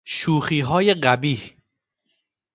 شوخیهای قبیح